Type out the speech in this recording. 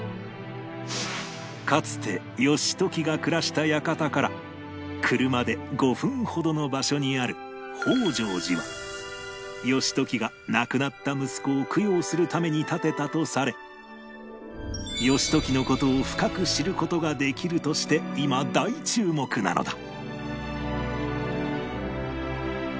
かつて義時が暮らした館から車で５分ほどの場所にある北條寺は義時が亡くなった息子を供養するために建てたとされ義時の事を深く知る事ができるとして今大注目なのだ